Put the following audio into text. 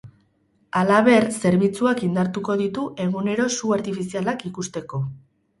Halaber, zerbitzuak indartuko ditu egunero su artifizialak ikusteko.